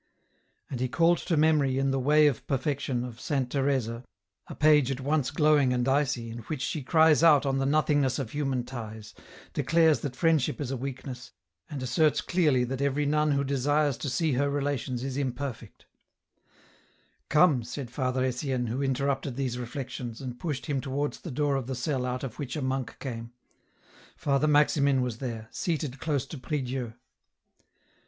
" And he called to memory in the " Way of Perfection " of Saint Teresa, a page at once glowing and icy in which she cries out on the nothingness of human ties, declares that friendship is a weakness, and asserts clearly that every nun who desires to see her relations is imperfect, " Come," said Father Etienne, who interrupted these reflec tions, and pushed him towards the door of the cell out of which a monk came. Father Maximin was there, seated close to prie Dieu.